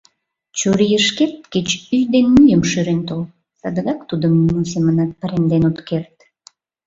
Чурийышкет кеч ӱй ден мӱйым шӱрен тол, садыгак тудым нимо семынат паремден от керт.